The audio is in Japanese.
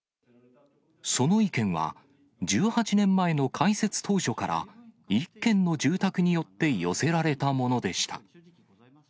その意見は１８年前の開設当初から、１軒の住宅によって寄せられたものでした。